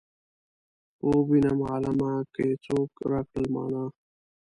خوب وينم عالمه که یې څوک راکړل مانا.